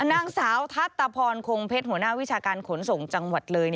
นางสาวทัศตะพรคงเพชรหัวหน้าวิชาการขนส่งจังหวัดเลย